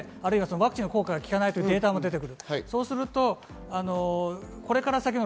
あるいはワクチンの効果が効かないというデータも出てきます。